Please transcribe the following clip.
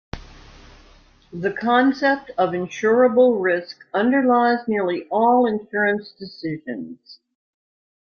The concept of insurable risk underlies nearly all insurance decisions.